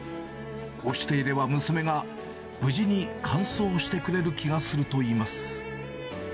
こうしていれば、娘が無事に完走してくれる気がするといいます。